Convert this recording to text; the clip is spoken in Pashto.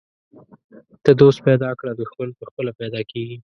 ته دوست پیدا کړه، دښمن پخپله پیدا کیږي.